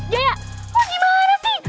jaya mau gimana sih